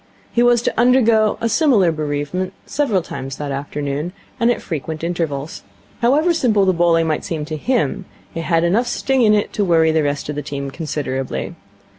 He was to undergo a similar bereavement several times that afternoon, and at frequent intervals. However simple the bowling might seem to him, it had enough sting in it to worry the rest of the team considerably.